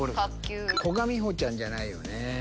古閑美保ちゃんじゃないよね。